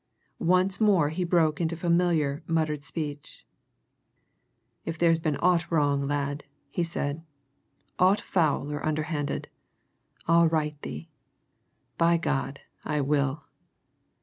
Once more he broke into familiar, muttered speech. "If there's been aught wrong, lad," he said. "Aught foul or underhand, I'll right thee! by God, I will!"